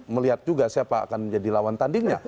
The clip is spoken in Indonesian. melihat juga siapa akan menjadi lawan tandingnya